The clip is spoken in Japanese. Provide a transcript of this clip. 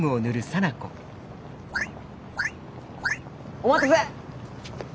お待たせ！